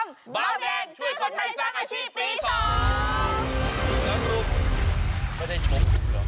แรมโทรไปได้ชมหรือ